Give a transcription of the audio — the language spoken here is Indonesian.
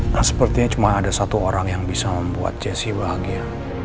nah sepertinya cuma ada satu orang yang bisa membuat jesse bahagia